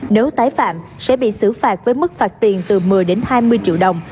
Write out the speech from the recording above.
nếu tái phạm sẽ bị xử phạt với mức phạt tiền từ một mươi đến hai mươi triệu đồng